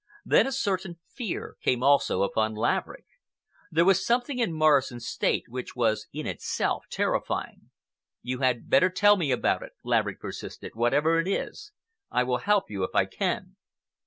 Then a certain fear came also upon Laverick. There was something in Morrison's state which was in itself terrifying. "You had better tell me all about it," Laverick persisted, "whatever it is. I will help you if I can."